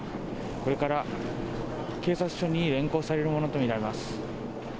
これから警察署に連行されるものと見られます。